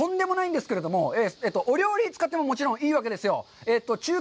というわけで、塩、とんでもないんですけれども、お料理に使っても、もちろんいいわけですよ。